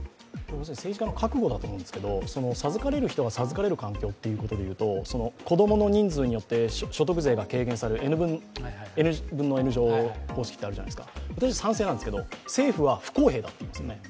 政治家の覚悟だと思うんですけど、授かれる人が授かれる環境ということでいうと、子どもの人数によって所得税が軽減されるｎ分のｎ乗方式ってあるじゃないですか、私、賛成ですけど、政府は不公平だと。